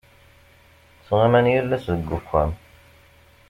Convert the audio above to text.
Ttɣaman yal ass deg uxxam.